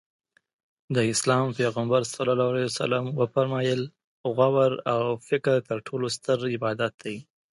د اسلام پیغمبر ص وفرمایل غور او فکر تر ټولو ستر عبادت دی.